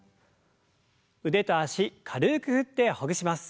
腕と脚軽く振ってほぐします。